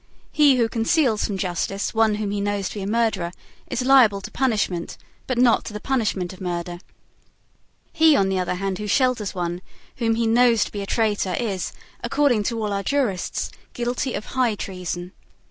He who conceals from justice one whom he knows to be a murderer is liable to punishment, but not to the punishment of murder. He, on the other hand, who shelters one whom he knows to be a traitor is, according to all our jurists, guilty of high treason.